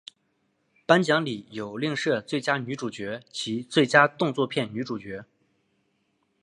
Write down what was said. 颁奖礼有另设最佳女主角及最佳动作片女主角。